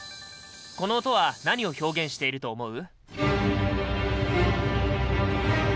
この音は何を表現していると思う？